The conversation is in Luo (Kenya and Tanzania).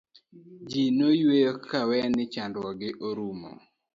ji noyueyo kawe ni chandruok gi orumo